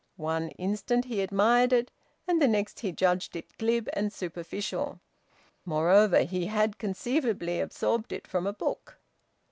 One instant he admired it, and the next he judged it glib and superficial. Moreover, he had conceivably absorbed it from a book.